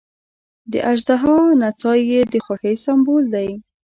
د اژدها نڅا یې د خوښۍ سمبول دی.